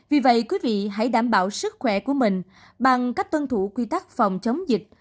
vì vậy quý vị hãy đảm bảo sức khỏe của mình bằng cách tuân thủ quy tắc phòng chống dịch